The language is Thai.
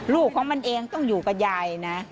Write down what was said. ลูกของมันเองต้องอยู่กับยายนะ